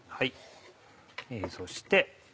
そして。